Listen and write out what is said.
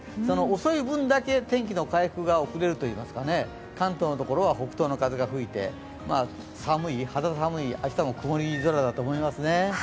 遅い分だけ天気の回復が遅れるといいますか関東のところは北東の風が吹いて、肌寒い明日も曇り空だと思いますね。